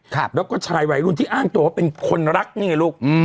ครับแล้วก็ชายวัยรุ่นที่อ้างตัวว่าเป็นคนรักนี่ไงลูกอืม